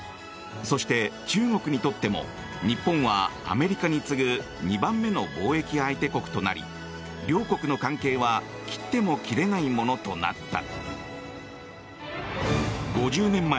そして中国にとっても日本はアメリカに次ぐ２番目の貿易相手国となり両国の関係は切っても切れないものとなった。